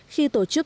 khi tổ chức